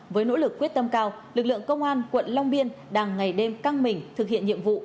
với nỗ lực quyết tâm cao lực lượng công an quận long biên đang ngày đêm căng mình thực hiện nhiệm vụ